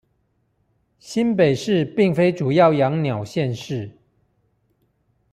新北市並非主要養鳥縣市